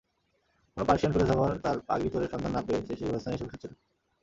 কোনো Persian philosopher তার পাগড়ি-চোরের সন্ধান না পেয়ে শেষে গোরস্থানে এসে বসে ছিল।